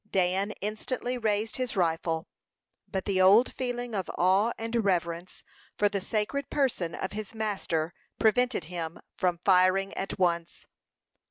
Dan instantly raised his rifle; but the old feeling of awe and reverence for the sacred person of his master prevented him from firing at once.